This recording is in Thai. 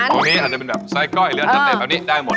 อันนี้อันนั้นเป็นแบบไซซ์ก้อยหรืออันนั้นเป็นแบบนี้ได้หมด